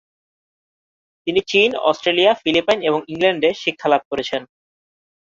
তিনি চীন, Australia, Philippines এবং ইংল্যান্ডে শিক্ষালাভ করেছেন।